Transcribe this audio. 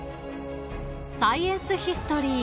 「サイエンスヒストリー」。